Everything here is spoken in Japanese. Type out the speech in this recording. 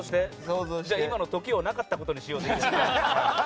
今の時をなかったことにしよう。